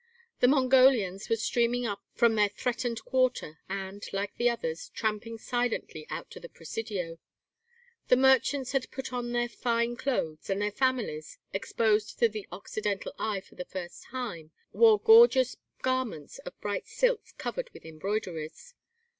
The Mongolians were streaming up from their threatened quarter, and, like the others, tramping silently out to the Presidio. The merchants had put on their fine clothes, and their families exposed to the Occidental eye for the first time wore gorgeous garments of bright silks covered with embroideries.